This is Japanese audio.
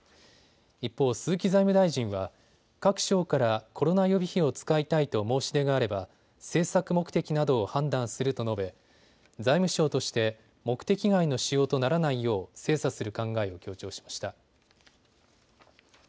一方、鈴木財務大臣は各省からコロナ予備費を使いたいと申し出があれば政策目的などを判断すると述べ、財務省として目的外の使用とならないよう精査する考えを強調しました。